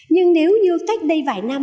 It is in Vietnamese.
nhưng nếu như cách đây vài năm